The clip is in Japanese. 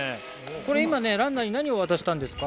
これ今ね、ランナーに何を渡したんですか？